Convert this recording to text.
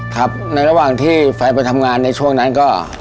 ครับในระหว่างที่แฟนไปทำงานในช่วงนั้นก็